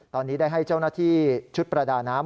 ตอนนี้ได้ให้เจ้าหน้าที่ชุดประดาน้ำ